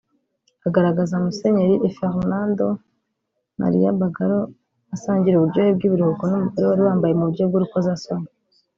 agaragaza Musenyeri Fernando Maria Bargallo asangira uburyohe bw’ibiruhuko n’umugore wari wambaye mu buryo bw’urukozasoni